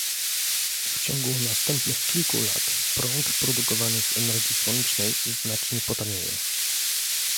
W ciągu następnych kilku lat prąd produkowany z energii słonecznej znacznie potanieje